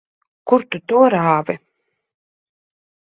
Kur tu to rāvi?